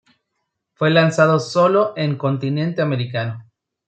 Fue lanzado sólo en continente americano.